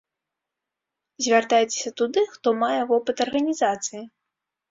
Звяртайцеся туды, хто мае вопыт арганізацыі.